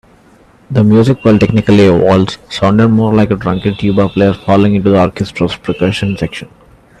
The music, while technically a waltz, sounded more like a drunken tuba player falling into the orchestra's percussion section.